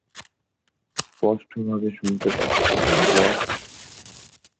স্পষ্টভাবে শুনতে পাচ্ছি, বস।